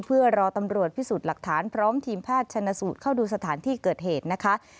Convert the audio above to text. เพื่อรอตำรวจพิสูจน์หลักฐานพร้อมทีมแพทย์ชนสูตรเข้าดูสถานที่เกิดเหตุนะคะ